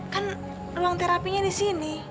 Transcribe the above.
kan ruang terapinya di sini